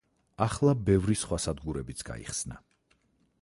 ახლა ბევრი სხვა სადგურებიც გაიხსნა.